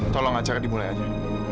tolong acara dimulai aja